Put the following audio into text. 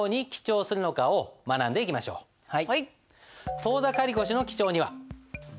当座借越の記帳にはジャン。